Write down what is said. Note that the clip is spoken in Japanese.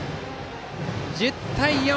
１０対４。